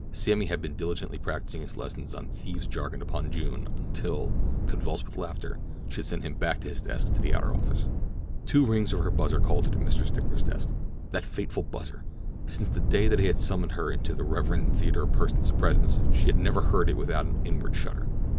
Sammy had been diligently practising his lesson on thieves' jargon upon June until, convulsed with laughter, she had sent him back to his desk in the outer office. Two rings of her buzzer called her to Mr. Stickler's desk. That fateful buzzer! Since the day that it had summoned her into the Rev. Theodore Pursen's presence she had never heard it without an inward shudder.